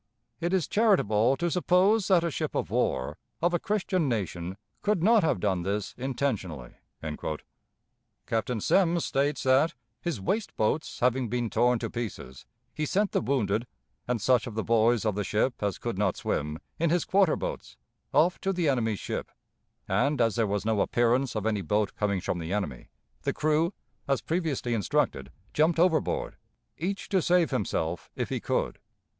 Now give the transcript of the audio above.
It is charitable to suppose that a ship of war, of a Christian nation, could not have done this intentionally." Captain Semmes states that, his waist boats having been torn to pieces, he sent the wounded, and such of the boys of the ship as could not swim, in his quarter boats, off to the enemy's ship, and, as there was no appearance of any boat coming from the enemy, the crew, as previously instructed, jumped overboard, each to save himself if he could.